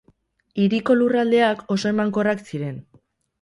Hiriko lurraldeak oso emankorrak ziren.